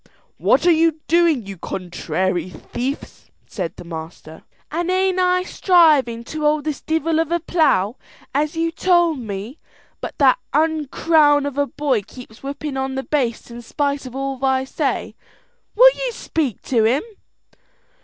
"What are you doing, you contrary thief?" said the master. "An' ain't I strivin' to hold this divel of a plough, as you told me; but that ounkrawn of a boy keeps whipping on the bastes in spite of all I say; will you speak to him?"